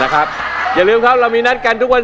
ขอลาคุณผู้ชมไปก่อนนะครับ